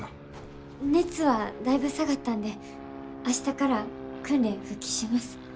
熱はだいぶ下がったんで明日から訓練復帰します。